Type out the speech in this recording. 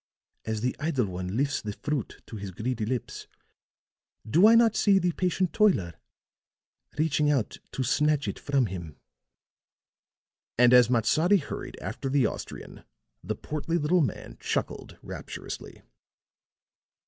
As the idle one lifts the fruit to his greedy lips, do I not see the patient toiler reaching out to snatch it from him?" And as Matsadi hurried after the Austrian, the portly little man chuckled rapturously.